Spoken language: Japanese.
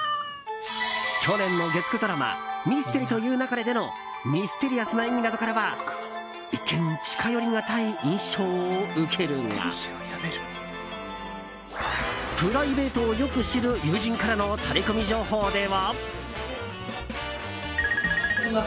去年の月９ドラマ「ミステリと言う勿れ」でのミステリアスな演技などからは一見近寄りがたい印象を受けるがプライベートをよく知る友人からのタレコミ情報では。